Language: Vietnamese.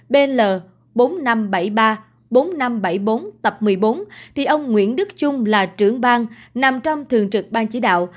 bl bốn nghìn năm trăm bảy mươi ba bốn nghìn năm trăm bảy mươi bốn tập một mươi bốn thì ông nguyễn đức trung là trưởng bang nằm trong thường trực ban chỉ đạo